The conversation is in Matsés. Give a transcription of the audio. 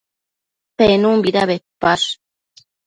Penunbida bedpash?